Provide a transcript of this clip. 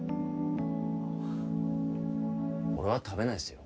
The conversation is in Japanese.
俺は食べないっすよ